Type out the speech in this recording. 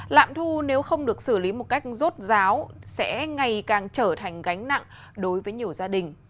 lạm thu nếu không được xử lý một cách rốt ráo sẽ ngày càng trở thành gánh nặng đối với nhiều gia đình